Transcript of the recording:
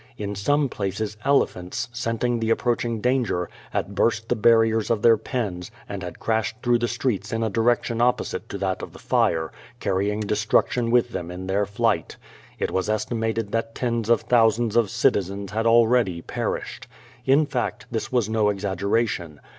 In some places elephants, scenting the approaching danger, had burst the barriers of their pens, and had crashed through the streets in a direction opposite to that of the fire, carrying destruction r QUO VADIS. 327 with them in their flight. It was estimated that tens of thou sands of citizens had already perished. In fact, this was no exaggeration.